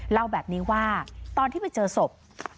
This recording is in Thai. เล่าแบบนี้ว่าตอนที่ไปเจอศพ